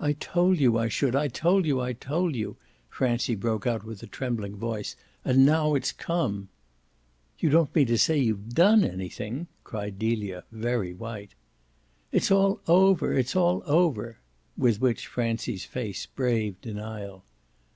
"I told you I should I told you, I told you!" Francie broke out with a trembling voice. "And now it's come!" "You don't mean to say you've DONE anything?" cried Delia, very white. "It's all over, it's all over!" With which Francie's face braved denial.